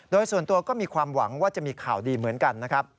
โดยส่วนตัวก็มีความหวังว่าจะมีข่าวดีเหมือนกันนะครับ